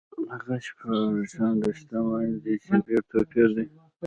هغه شپږ چنده شتمن دی چې ډېر توپیر دی.